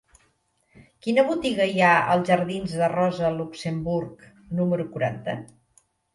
Quina botiga hi ha als jardins de Rosa Luxemburg número quaranta?